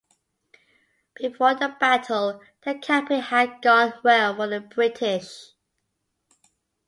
Before the battle, the campaign had gone well for the British.